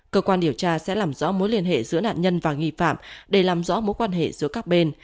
cơ quan điều tra sẽ làm rõ mối liên hệ giữa nạn nhân và nghi phạm để làm rõ mối quan hệ giữa các bên